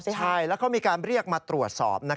ใช่แล้วเขามีการเรียกมาตรวจสอบ